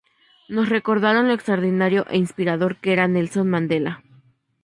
Nos recordaron lo extraordinario e inspirador que era Nelson Mandela.